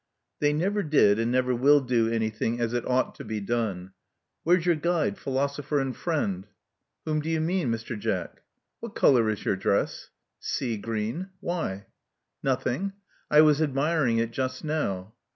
" *'They never did and never will do anything as it Love Among the Artists 187 ought to be done. Where's your guide, philosopher, and friend?" Whom do you mean, Mr. Jack?" What color is your dress?" *' Sea green. Why?" Nothing. I was admiring it just now."